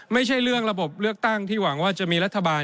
ไม่ใช่เรื่องระบบเลือกตั้งที่หวังว่าจะมีรัฐบาล